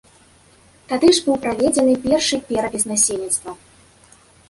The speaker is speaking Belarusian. Тады ж быў праведзены першы перапіс насельніцтва.